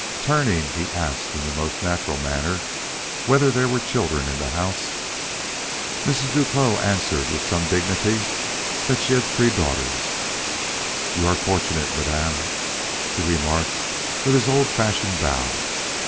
Turning, he asked in the most natural manner whether there were children in the house. Mrs. Duclos answered with some dignity that she had three daughters. "You are fortunate, madame," he remarked with his old fashioned bow.